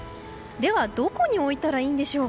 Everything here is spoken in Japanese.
ではどこに置いたらいいでしょう。